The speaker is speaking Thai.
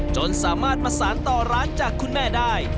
จนสามารถมาสารต่อร้านจากคุณแม่ได้